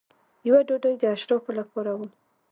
یوه ډوډۍ د اشرافو لپاره وه.